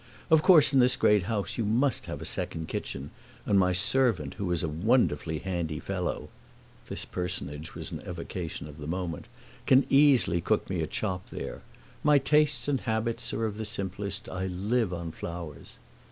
Of course in this great house you must have a second kitchen, and my servant, who is a wonderfully handy fellow" (this personage was an evocation of the moment), "can easily cook me a chop there. My tastes and habits are of the simplest; I live on flowers!"